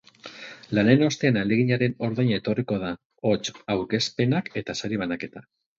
Lanaren ostean ahaleginaren ordaina etorriko da, hots, aurkezpenak eta sari banaketa.